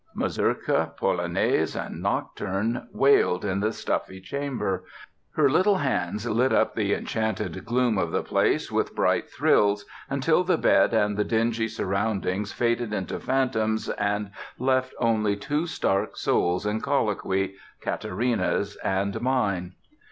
Mazurka, polonaise, and nocturne wailed in the stuffy chamber; her little hands lit up the enchanted gloom of the place with bright thrills, until the bed and the dingy surroundings faded into phantoms and left only two stark souls in colloquy: Katarina's and mine.